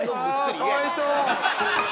◆ああ、かわいそう。